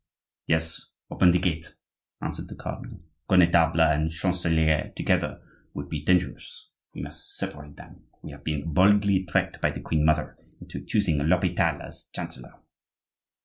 "Yes, open the gate," answered the cardinal. "Connetable and chancelier together would be dangerous; we must separate them. We have been boldly tricked by the queen mother into choosing l'Hopital as chancellor."